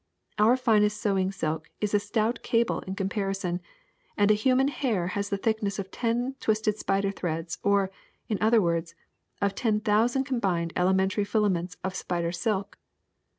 Our finest sewing silk is a stout cable in comparison, and a human hair has the thickness of ten twisted spider's threads or, in other words, of ten thousand combined elementary filaments of spider silk.